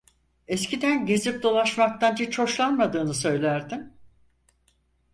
Eskiden gezip dolaşmaktan hiç hoşlanmadığını söylerdin…